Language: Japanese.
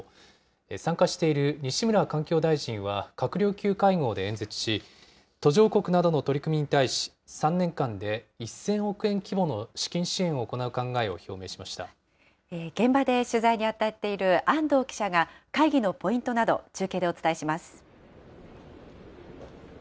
参加している西村環境大臣は閣僚級会合で演説し、途上国などの取り組みに対し、３年間で１０００億円規模の資金支援を行う考えを現場で取材に当たっている安藤記者が、会議のポイントなど、中継でお伝えします。